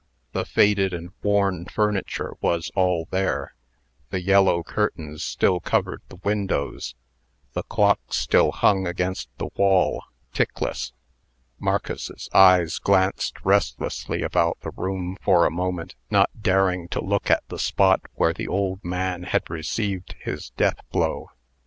The faded and worn furniture was all there; the yellow curtains still covered the windows; the clock still hung against the wall, tickless. Marcus's eyes glanced restlessly about the room for a moment, not daring to look at the spot where the old man had received his death blow.